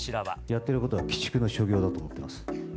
やっていることは鬼畜の所業だと思っています。